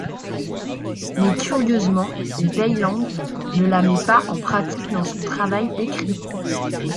Mais curieusement, Vailland ne la met pas en pratique dans son travail d'écrivain.